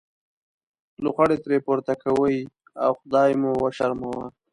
لوخړې ترې پورته کوئ او خدای مو وشرموه.